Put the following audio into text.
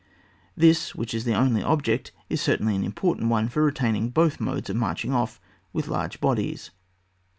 This, which is the only object, is certainly an important one for retaining both modes of marching off with large bodies.